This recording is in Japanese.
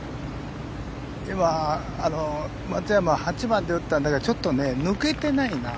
今、松山は８番で打ったんだけどちょっと抜けてないな。